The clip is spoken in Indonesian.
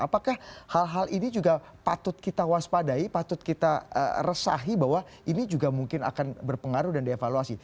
apakah hal hal ini juga patut kita waspadai patut kita resahi bahwa ini juga mungkin akan berpengaruh dan dievaluasi